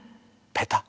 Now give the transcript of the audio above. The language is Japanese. ペタ。